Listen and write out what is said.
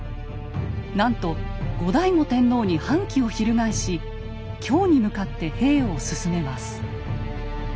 なんと後醍醐天皇に反旗を翻し京に向かって兵を進めます。